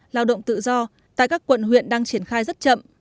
lao động tự do tại các quận huyện đang triển khai rất chậm